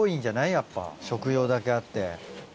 やっぱ食用だけあって。